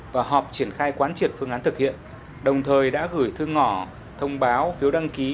và họp triển khai quán triệt phương án thực hiện đồng thời đã gửi thư ngỏ thông báo phiếu đăng ký